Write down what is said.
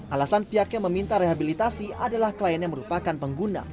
alasan pihaknya meminta rehabilitasi adalah klien yang merupakan pengguna